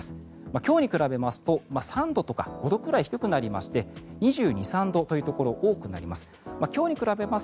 今日に比べますと３度とか５度くらい低くなりまして２２２３度というところが多くなります。